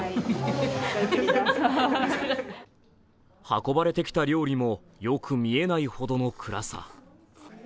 運ばれてきた料理もよく見えないほどの暗さ。